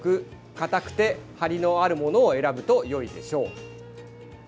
かたくてハリのあるものを選ぶとよいでしょう。